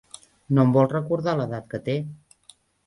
No em vol recordar l'edat que té.